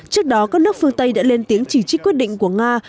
trước đó các nước phương tây đã lên tiếng chỉ trích quyết định của nga